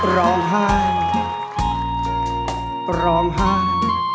ร้องไห้ร้องไห้